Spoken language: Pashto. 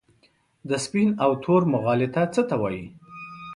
د سپین او تور مغالطه څه ته وايي؟